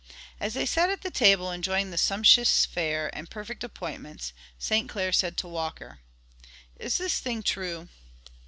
As they sat at the table enjoying the sumptuous fare and perfect appointments, St. Clair said to Walker. "Is this thing true?"